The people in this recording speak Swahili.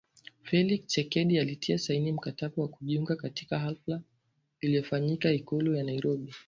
Felix Tchisekedi alitia saini mkataba wa kujiunga katika hafla iliyofanyika Ikulu ya Nairobi